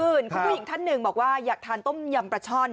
คุณผู้หญิงท่านหนึ่งบอกว่าอยากทานต้มยำปลาช่อน